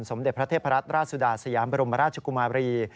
สมเด็จพระเทพรัตนราชสุดาสยามบรมราชกุมาบรี